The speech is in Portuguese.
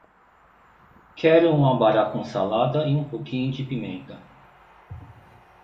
Quero um abará com salada e um pouquinho de pimenta